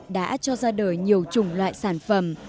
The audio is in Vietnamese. đã cho ra đời nhiều chủng loại sản phẩm